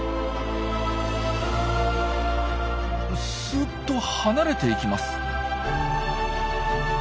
すっと離れていきます。